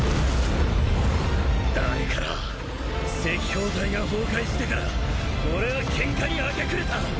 あれから赤報隊が崩壊してから俺はケンカに明け暮れた！